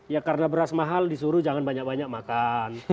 ya karena beras mahal disuruh jangan banyak banyak makan